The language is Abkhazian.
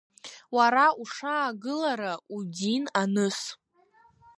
Уара ушаагылара, удин аныс.